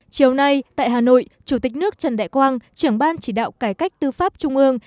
chiều nay tại hà nội chủ tịch nước trần đại quang trưởng ban chỉ đạo cải cách tư pháp trung ương